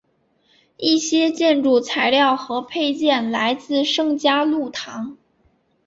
一些建筑材料和配件来自圣嘉禄堂。